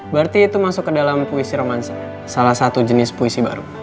berarti itu masuk ke dalam puisi romansa salah satu jenis puisi baru